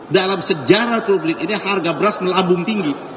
dalam sejarah republik ini harga beras melambung tinggi